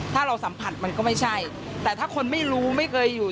ถ้าเราสัมผัสมันก็ไม่ใช่แต่ถ้าคนไม่รู้ไม่เคยอยู่